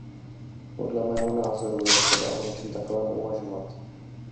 Podle mého názoru je třeba o něčem takovém uvažovat.